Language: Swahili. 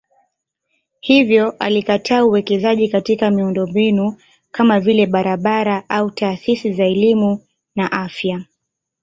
Hivyo alikataa uwekezaji katika miundombinu kama vile barabara au taasisi za elimu na afya.